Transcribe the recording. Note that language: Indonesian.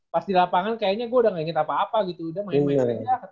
pas di lapangan kayaknya gue udah gak inget apa apa gitu udah main main saja